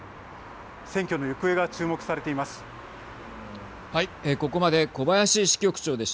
選挙の行方が注目されています。